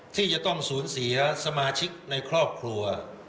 ที่จะต้องสูญเสียสมาชิกในครอบครัว